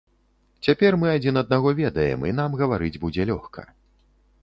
Цяпер мы адзін аднаго ведаем, і нам гаварыць будзе лёгка.